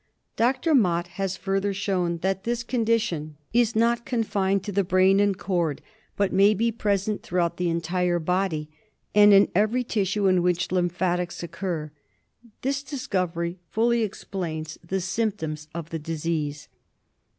Dr. Mott has further shown that this condition is not confined to tbe brain and cord, but may be present throughout the entire body, and in every tissue in which lymphatics occur. This discovery fully explains the symptoms of the disease.